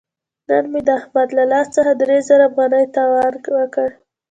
نن مې د احمد له لاس څخه درې زره افغانۍ تاوان وکړ.